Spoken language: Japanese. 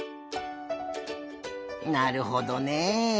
なるほどねえ。